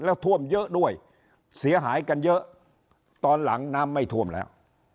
แล้วท่วมเยอะด้วยเสียหายกันเยอะตอนหลังน้ำไม่ท่วมแล้ว